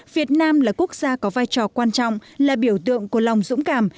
việt nam là quốc gia có vai trò quan trọng là biểu tượng của lòng dũng cảm